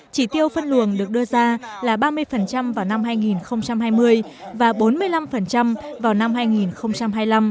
chỉ tiêu phân luồng được đưa ra là ba mươi vào năm hai nghìn hai mươi và bốn mươi năm vào năm hai nghìn hai mươi năm